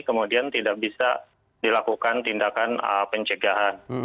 kemudian tidak bisa dilakukan tindakan pencegahan